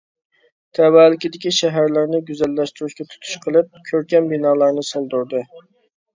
تەۋەلىكىدىكى شەھەرلەرنى گۈزەللەشتۈرۈشكە تۇتۇش قىلىپ، كۆركەم بىنالارنى سالدۇردى.